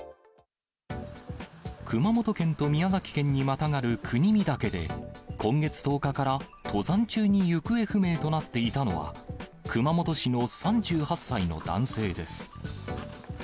熊本県と宮崎県にまたがる国見岳で、今月１０日から登山中に行方不明となっていたのは、熊本市の３８歳の男性です。